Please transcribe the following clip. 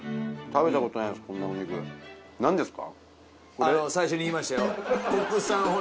食べたことないです